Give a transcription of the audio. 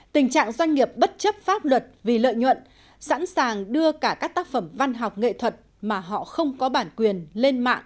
tình trạng doanh nghiệp bất chấp pháp luật vì lợi nhuận sẵn sàng đưa cả các tác phẩm văn học nghệ thuật mà họ không có bản quyền lên mạng